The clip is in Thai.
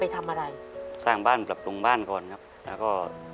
ทำอะไรสร้างบ้านปรับปรุงบ้านก่อนครับแล้วก็